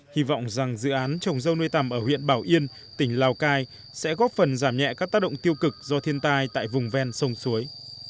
hy vọng rằng dự án trồng dâu nuôi tầm ở huyện bảo yên tỉnh lào cai sẽ góp phần giảm nhẹ các tác động tiêu cực do thiên tai tại vùng ven sông suối